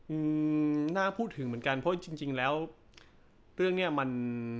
อืมน่าพูดถึงเหมือนกันเพราะจริงจริงแล้วเรื่องเนี้ยมัน